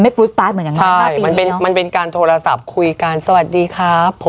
ไม่แน่ใจอ่ะเพราะว่าเท่าที่รู้ก็